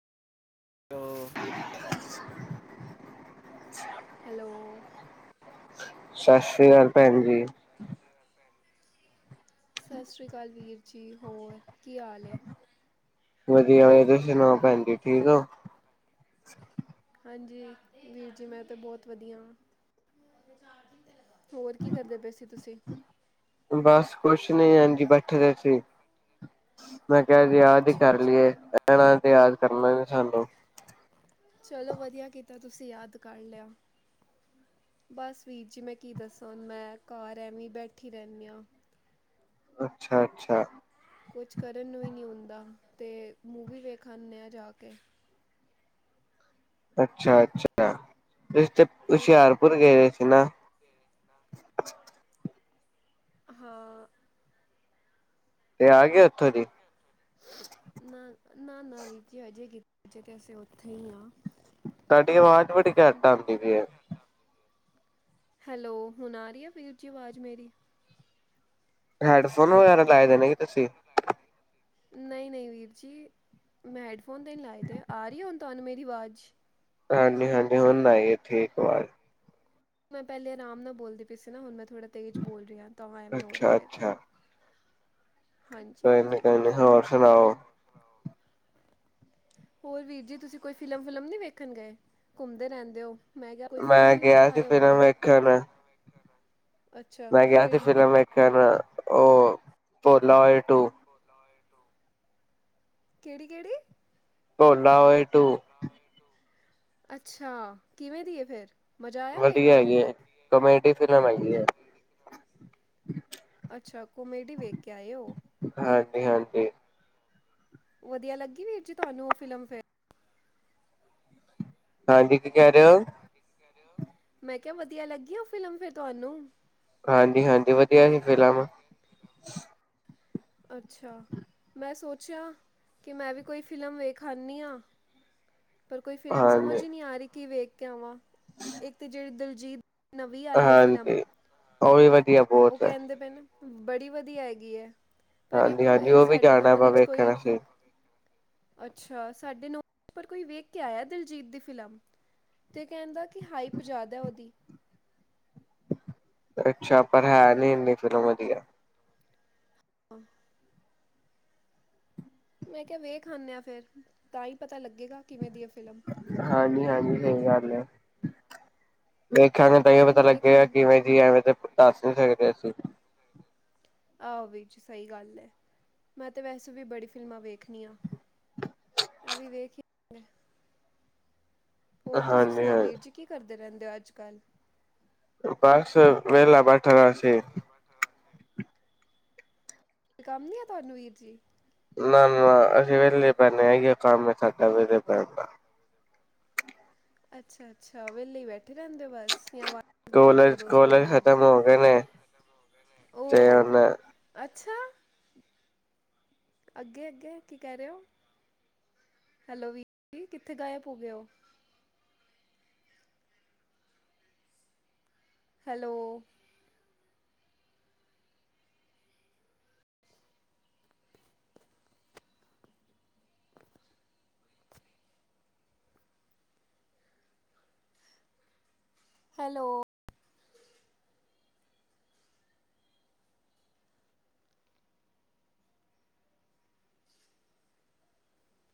ਉਹ ਹੈਲੋ ਸਤਿ ਸ੍ਰੀ ਅਕਾਲ ਭੈਣ ਜੀ ਸਤਿ ਸ੍ਰੀ ਅਕਾਲ ਵੀਰ ਜੀ, ਹੋਰ ਕੀ ਹਾਲ ਵਧੀਆ ਤੁਸੀਂ ਸੁਣਾਓ ਭੈਣ ਜ ਠੀਕ ਹੋ ਹਾਂਜੀ ਵੀਰ ਜੀ ਮੈਂ ਤੇ ਬਹੁਤ ਵਧੀਆ ਹੋਰ ਕੀ ਕਰਦੇ ਪਏ ਸੀ ਤੁਸੀਂ ਬਸ ਕੁਛ ਨੀ ਹਜੀ ਬੈਠੇ ਦੇ ਸੀ ਮੈਂ ਯਾਦ ਹੀ ਅੱਛਾ ਕਰ ਲਈਏ ਅੱਛਾ ਭਹਿਣਾ ਤੇ ਯਾਦ ਕਰਨਾ ਸਗੋ ਚਲੋ ਵਧੀਆ ਕੀਤਾ ਤੁਸੀਂ ਯਾਦ ਕਰ ਲਿਆ, ਬਸ ਵੀਰ ਜੀ ਮੈਂ ਕੀ ਦੱਸਾਂ ਮੈਂ ਘਰ ਐਵਂ ਬੈਠੀ ਰਹਿੰਦੀ ਹਾਂ ਅੱਛਾ ਅੱਛਾ ਕੁਛ ਕਰਨ ਨੂੰ ਹੀ ਨਹੀਂ ਹੁੰਦਾ ਤੇ ਮੂਵੀ ਵੇਖਣਦੇ ਆ ਜਾ ਕੇ ਅੱਛਾ ਅੱਛਾ ਰਿਸ਼ਤੇ ਉਹ ਹੁਸ਼ਿਆਰਪੁਰ ਗਏ ਹੋਏ ਸੀ ਕਿਨਾਂ ਹਾਂ ਤੇ ਆ ਗ ਉੱਥੋਂ ਦੀ ਨਾ ਨਾ ਨਾ ਵੀ ਜੇ ਅਜੇ ਕਿਤੇਜੇ ਤਾਂ ਅਸੀਂ ਉੱਥੇ ਹੀ ਹਾਂ ਤੁਹਾਡੀ ਆਵਾਜ ਬੜੀ ਘੱਟ ਆਂਦੀ ਪਈ ਐ ਹੈਲੋ ਹੁਣ ਆ ਰਹੀ ਆ ਵੀਰ ਜੀ ਆਵਾਜ਼ ਮੇਰੀ ਹੈਡਫੋਨ ਹੈਲ ਵਗੈਰਾ ਲਾਏ ਦੇ ਨੇਗੇ ਤੁਸੀਂ ਨਹੀਂ ਨਹੀਂ ਵੀਰ ਜੀ ਮੈਂ ਹੈਡਫੋਨ ਦੇ ਨ ਲਾਏ ਦੇ ਆ ਰਹੀ ਹੁਣ ਤੁਹਾਨੂੰ ਮੇਰੀ ਆਵਾਜ਼ ਹਾਂਜੀ ਹਾਂਜੀ ਹੁਣ ਨਾਈ ਠੀਕ ਆਵਾਜ਼ ਮੈਂ ਪਹਿਲੇ ਆਮ ਨਾਲ ਬੋਲਦੀ ਪਈ ਸੀ ਨਾ ਹੁਣ ਮੈਂ ਥੋੜ੍ਹਾ ਤੇਜ਼ ਬੋਲ ਰਿਹੀ ਹਾਂ ਤਾਂ ਐਵੇਂ ਹੋ ਰਿਹਾ ਅੱਛਾ ਹੋਏਗਾ ਅੱਛਾ ਹਾਂਜੀ ਕੋਈ ਨਹੀਂ ਹਾਂਜੀ ਕੋਈ ਨਹੀਂ, ਹੋਰ ਸੁਣਾਉ ਹੋਰ ਵੀਰ ਜੀ ਤੁਸੀਂ ਕੋਈ ਫਿਲਮ ਫੁਲਮ ਨ ਵੇਖਣ ਗਏ ਘੁੰਮਦੇ ਰਹਿੰਦੇ ਹੋ ਮੈਂ ਕਿਹਾ ਕੋਈ ਮੈਂ ਫਿਲਮ ਹੀ ਗਿਆ ਵੇਖ ਸੀ ਆਏ ਫਿਲਮ ਹੋਵੋਗੇ ਵੇਖਣ ਨੂੰ ਅੱਛਾ ਮੈਂ ਗਿਆ ਸੀ ਕਿਹੜੀ ਫਿਲਮ ਵੇਖਣ ਉਹ ਟੋਲਾ ਓਏ ਟੋ ਕਿਹੜੀ ਕੇਹੜੀ ਟੋਲਾ ਉਹ ਟੂੰ ਅੱਛਾ ਕਿਵੇਂ ਦੀ ਫੇਰ ਵਧੀਆ ਹੈਗੇ ਕਮੇਡੀ ਫਿਲਮ ਹੈ ਹੈ ਅੱਛਾ ਕੋਮੇਡੀ ਵੇਖ ਕੇ ਆਏ ਹੋ ਹਾਂਜੀ ਹਾਂਜੀ ਵਧੀਆ ਲੱਗੀ ਵੀਰ ਜੀ ਤੁਹਾਨੂੰ ਉਹ ਫਿਲਮ ਫੇਰ? ਹਾਂਜੀ ਕਿ ਕੈ ਰੇ ਹੋ? ਮੈਂ ਕਿਹਾ ਵਧੀਆ ਲੱਗੀ ਔ ਫਿਲਮ ਫਿਰ ਤੁਹਾਨੂੰ? ਹਾਂਜੀ, ਹਾਂਜੀ ਵਧੀਆ ਸੀ ਫਿਲਮ। ਅੱਛਾ, ਮੈਂ ਸੋਚਿਆ ਕਿ ਮੈਂ ਵੀ ਕੋਈ ਫਿਲਮ ਵੇਖ ਆੰਨੀ ਆ। ਪਰ ਕੋਈ ਫਿਲਮ ਹਾਂਜੀ ਸਮਝ ਹੀ ਨਹੀਂ ਆ ਰਹੀ ਕਿ ਵੇ ਕੇ ਆਵਾਂ। ਇੱਕ ਜੇਹੜੀ ਦਿਲ ਹਾਂਜੀ ਉਹ ਵੀ ਵਧੀਆ ਉਹ ਬਹੁਤ ਹੈ। ਕਹਿੰਦੇ ਪਏ ਨੇ ਬੜੀ ਵਧੀਆ ਹੈਗੀ ਹੈ। ਪਰ ਹਾਂਜੀ, ਇੱਕ ਹਾਂਜੀ ਇੱਕ ਉਹ ਵੀ ਸਾਡੇ ਜਾਣਾ ਨੌਨ ਵਾ ਵਿੱਚ ਵੇਖਣ ਕੋਈ ਅਸੀਂ। ਅੱਛਾ ਸਾਡੇ ਨੌ ਪਰ ਕੋਈ ਵੇਖ ਕੇ ਆਇਆ ਦਿਲਜੀਤ ਦੀ ਫਿਲਮ, ਤੇ ਕਹਿੰਦਾ ਕਿ ਹਾਈਪ ਜ਼ਾਦਾ ਹੈ ਉਹਦੀ। ਅੱਛਾ, ਪਰ ਹੈ ਨੀ ਨਹੀਂ ਫਿਲਮ ਵਧੀਆ। ਹੂੰ ਮੈਂ ਕਿਹਾ ਵੇਖ ਆੰਦੇ ਆ ਫੇਰ ਤਾਂ ਹੀ ਪਤਾ ਲੱਗੇਗਾ ਕਿਵੇਂ ਦੀ ਏ। ਹਾਂਜੀ, ਹਾਂਜੀ ਸਹੀ ਗੱਲ ਹੈ। ਦੇਖਾਂਗੇ ਮੈਨੂੰ ਤਈੰਯੋ ਪਤਾ ਫਿਲਮਾਂ ਲੱਗੇਗਾ ਦੇਖਣ ਕਿਵੇਂ ਦੀ ਅ ਐਵੇਂ ਤੇ ਦੱਸ ਨੀ ਸਕ ਕੈਸੇ? ਆਹੋ ਵੀਰ ਜੀ ਸਹੀ ਗੱਲ ਏ। ਮੈਂ ਤੇ ਵੈਸੇ ਵੀ ਬੜੀ ਫਿਲਮਾਂ ਵੇਖਣੀ ਆ। ਐ ਵੀ ਵੇਖ ਹੀ ਹੋਰ ਤੁਸੀਂ ਹਾਂਜੀ ਸੁਣਾਓ ਹਾਂਜੀ ਵੀਰ ਜੀ ਕੀ ਕਰਦੇ ਦੇ ਰਹਿੰਦੇ ਔ ਅੱਜ -ਕੱਲ੍ਹ। ਬਸ ਵੇਲਾ ਬੈਠਾ ਦਾ ਸੀ। ਕੰਮ ਨੀ ਅ ਤੁਹਾਨੂੰ ਵੀਰ ਜੀ? ਨਾ, ਨਾ, ਨਾ ਅਸੀਂ ਵੇਲੇ ਬੈੰਨੇ ਆ ਅਈਂਯੋ ਕੰਮ ਏ ਸਾਡਾ ਵੇਲੇ ਬੈੰਨ ਦਾ। ਅੱਛਾ, ਅੱਛਾ ਵੇਹਲੇ ਬੈਠੇ ਰਹਿੰਦੇ ਹੋ ਬਸ। ਜਾਂ ਵਾਰਦੀ ਕਰਦੇ ਹੋ ਕੋਲਜ, ਦੋਸਤਾਂ ਦੇ ਕੋਲਜ ਨਾਲ ਖਤਮ ਹੋ ਗਏ ਨੇ, ਤੇ ਓ ਹੂਨ ਅੱਛਾ, ਅੱਗੇ -ਅੱਗੇ ਕੀ ਕਹਿ ਰਹੇ ਹੋ? ਹੈਲੋ ਵੀਰ ਜੀ ਕਿੱਥੇ ਗਾਇਬ ਹੋ ਗਏ ਔ? ਹੈਲੋ। ਹੈਲੋ